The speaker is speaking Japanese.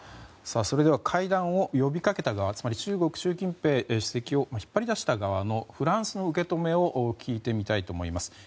それでは会談を呼び掛けた側つまり習近平主席を呼び出した側のフランスの受け止めを聞いてみたいと思います。